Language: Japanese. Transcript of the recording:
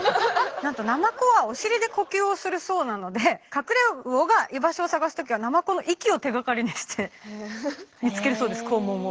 ナマコはお尻で呼吸をするそうなのでカクレウオが居場所を探すときはナマコの息を手がかりにして見つけるそうです肛門を。